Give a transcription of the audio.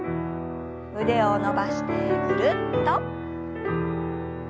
腕を伸ばしてぐるっと。